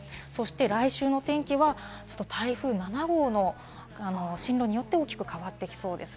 来週の天気は台風７号の進路によって大きく変わっていきそうです。